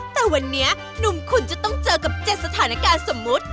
แต่วันนี้หนุ่มคุณจะต้องเจอกับ๗สถานการณ์สมมุติ